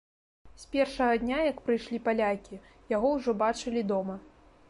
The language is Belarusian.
З першага дня, як прыйшлі палякі, яго ўжо бачылі дома.